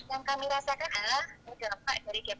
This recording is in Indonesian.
yang kami rasakan adalah